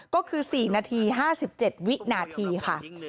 ก็คือ๔นาที๕๗วินาทีค่ะ